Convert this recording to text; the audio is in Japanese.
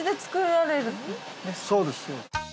そうです。